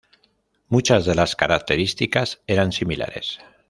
Muchas de las características eran similares.